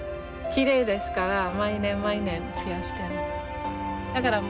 きれいですから毎年毎年増やしてるんです。